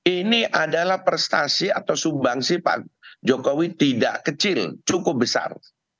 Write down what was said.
ini adalah prestasi atau sumbangsi pak jokowi tidak kecil cukup besar